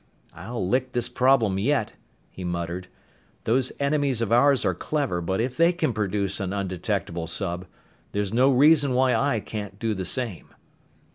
"I'll lick this problem yet," he muttered. "Those enemies of ours are clever, but if they can produce an undetectable sub, there's no reason why I can't do the same."